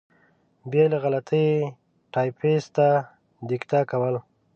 بې له غلطۍ یې ټایپېسټ ته دیکته کول.